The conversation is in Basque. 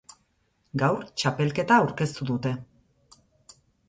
Gaur txapelketa aurkeztu dute.